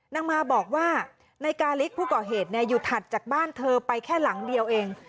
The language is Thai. นางมาบอกว่านายกาลิกผู้ก่อเหตุอยู่ถัดจากบ้านเธอไปแค่หลังเดียวเอง